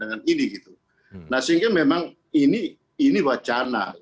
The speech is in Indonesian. nah sehingga memang ini wacana